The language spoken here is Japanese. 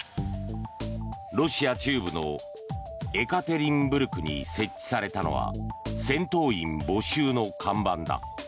ロシア中部のエカテリンブルクに設置されたのは戦闘員募集の看板だ。